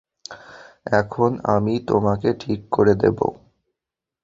এখন আমি তোমাকে ঠিক করে দেবো।